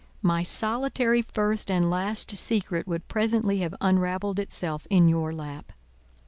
—my solitary first and last secret would presently have unravelled itself in your lap.